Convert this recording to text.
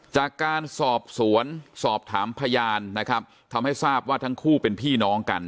จากการสอบสวนสอบถามพยานนะครับทำให้ทราบว่าทั้งคู่เป็นพี่น้องกัน